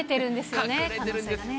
隠れてるんですよね。